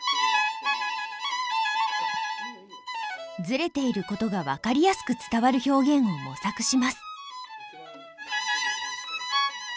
ずれていることが分かりやすく伝わる表現を模索します。